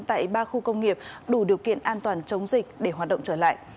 tại ba khu công nghiệp đủ điều kiện an toàn chống dịch để hoạt động trở lại